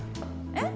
えっ？